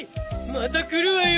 また来るわよ！